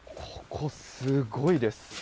ここすごいです。